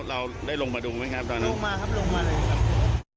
เราได้ลงมาดูไหมครับตอนนี้ลงมาครับลงมาเลยครับ